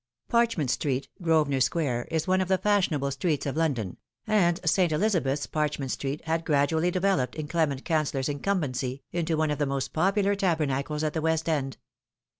Parchment Street, Grosvenor Square, is one of the fashionable streets of London, and St. Elizabeth's, Parchment Street, had gradually developed, in Clement Cancellor's incumbency, into one of the most popular tabernacles at the West End.